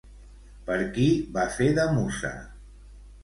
Per qui va fer de mussa?